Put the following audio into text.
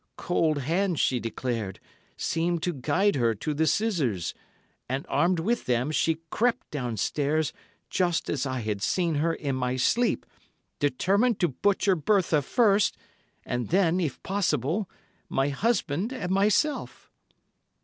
Cold hands, she declared, seemed to guide her to the scissors, and armed with them, she crept downstairs, just as I had seen her in my sleep, determined to butcher Bertha first, and then, if possible, my husband and myself.